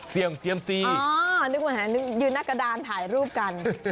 เสี่ยงเซียมซีอ๋อนึกเหมือนยืนหน้ากระดานถ่ายรูปกัน